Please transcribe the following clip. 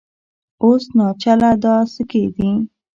اوس ناچله دا سکې دي